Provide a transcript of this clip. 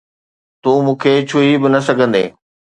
تون مون کي ڇهي به نه سگهندين